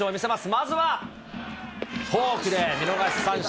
まずはフォークで見逃し三振。